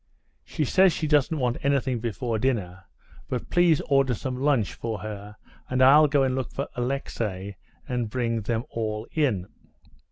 "She says she doesn't want anything before dinner, but please order some lunch for her, and I'll go and look for Alexey and bring them all in."